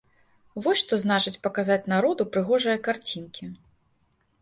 Вось што значыць паказаць народу прыгожыя карцінкі!